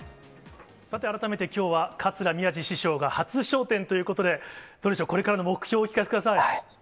さて、改めてきょうは桂宮治師匠が初笑点ということで、どうでしょう、これからの目標を聞かせてください。